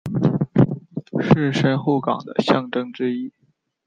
是神户港的象征之一。